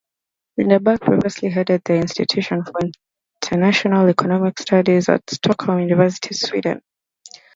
Lindbeck previously headed the Institute for International Economic Studies at Stockholm University, Sweden.